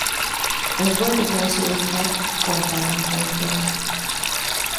Ez volt az első osztrák kompaund mozdony.